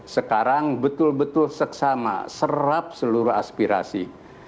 sekarang betul betul seksama serap seluruh aspirasi